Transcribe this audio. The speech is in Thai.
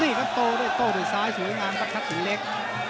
นี่ครับโตด้วยโต้ด้วยซ้ายสวยงามประทัศสีเล็ก